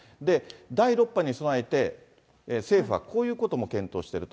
第６波に備えて、政府はこういうことも検討してると。